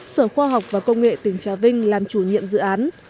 sở khoa học và công nghệ tỉnh trà vinh làm chủ nhiệm dự án